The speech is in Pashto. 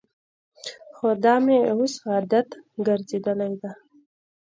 خو دا مې اوس عادت ګرځېدلی.